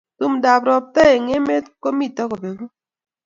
tumdo ab ropta eng emet ko mito kopegu